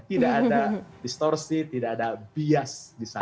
tidak ada distorsi tidak ada bias di sana